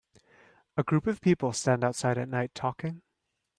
A group of people stand outside at night talking.